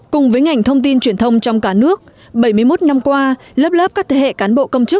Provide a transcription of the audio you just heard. cùng với ngành thông tin truyền thông trong cả nước bảy mươi một năm qua lớp lớp các thế hệ cán bộ công chức